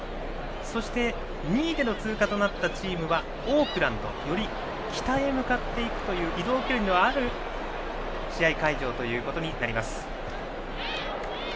そして、２位での通過となったチームはオークランド、より北へ向かっていくという移動距離のある試合会場になります。